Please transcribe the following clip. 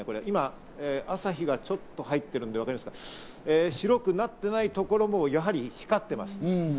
今、朝日がちょっと入ってるんですけど、白くなってないところもやはり光っています。